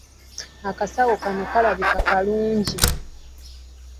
Akasawo kano kalabika bulungi.